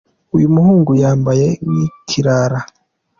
uyumuhungu yambaye nkikirara